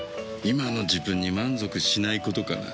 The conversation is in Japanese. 今の自分に満足しないことかな。